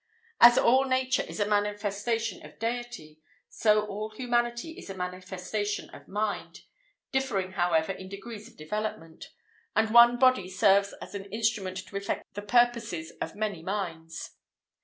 As all Nature is a manifestation of Deity, so all Humanity is a manifestation of mind, differing, however, in degrees of development, and one body serves as an instrument to effect the purposes of many minds.